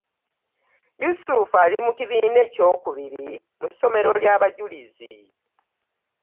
Yusufu ali mukibiina ekyokubiri ku ssomero ly'abajulizi .